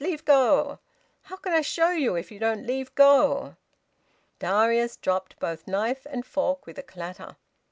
"Leave go! How can I show you if you don't leave go?" Darius dropped both knife and fork with a clatter.